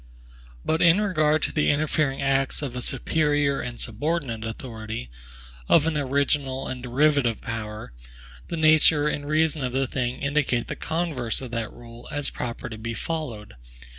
But in regard to the interfering acts of a superior and subordinate authority, of an original and derivative power, the nature and reason of the thing indicate the converse of that rule as proper to be followed.